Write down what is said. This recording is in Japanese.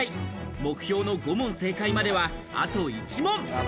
目標の５問正解までは、あと１問。